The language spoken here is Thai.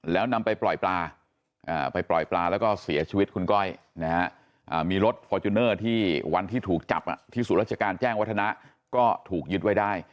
แล้วนำไปปล่อยปลาไปปล่อยปลาแล้วก็เสียชีวิตคุณก้อยนะฮะมีรถฟอร์จูเนอร์ที่วันที่ถูกจับที่ศูนย์ราชการแจ้งวัฒนะก็ถูกยึดไว้ได้